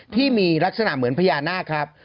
ที่มีลักษณะเหมือนพญานาคครับ